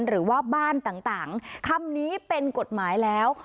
หรือว่าบ้านต่างคำนี้เป็นกฎหมายแล้ว